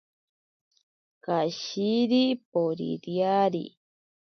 Kashiri poririari.